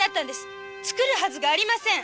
刀を作るはずはありません